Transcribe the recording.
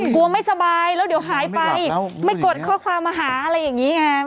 กลัวไม่สบายแล้วเดี๋ยวหายไปไม่กดข้อความมาหาอะไรอย่างนี้ไง